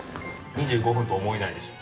２５分と思えないでしょ？